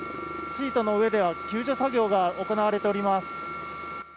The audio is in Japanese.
シートの上では救助作業が行われています。